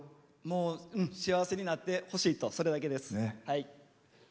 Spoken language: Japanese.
もう幸せになってほしいとそれだけです。